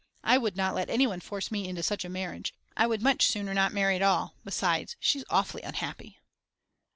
I would not let anyone force me into such a marriage, I would much sooner not marry at all, besides she's awfully unhappy.